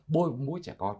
bôi mũi trẻ con